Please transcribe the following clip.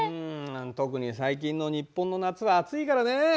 特に最近の日本の夏は暑いからね。